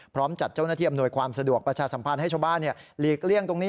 จัดเจ้าหน้าที่อำนวยความสะดวกประชาสัมพันธ์ให้ชาวบ้านหลีกเลี่ยงตรงนี้